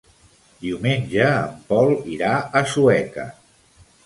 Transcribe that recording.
Diumenge en Pol irà a Sueca.